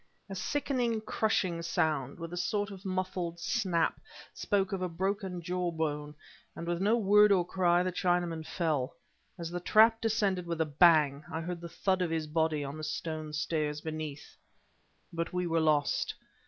A sickening crushing sound, with a sort of muffled snap, spoke of a broken jaw bone; and with no word or cry, the Chinaman fell. As the trap descended with a bang, I heard the thud of his body on the stone stairs beneath. But we were lost.